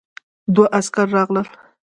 دوه عسکر راغلل.